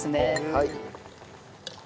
はい。